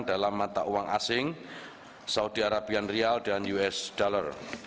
dalam mata uang asing saudi arabian rial dan us dollar